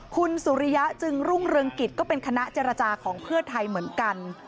คุณสุริยะจึงรุ่งเรืองกิจก็เป็นคณะเจรจาของเพื่อไทยเหมือนกัน